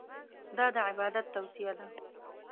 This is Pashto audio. دا د عبادت توصیه ده.